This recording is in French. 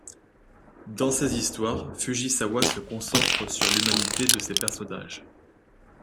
Dans ses histoires, Fujisawa se concentre sur l'humanité de ses personnages.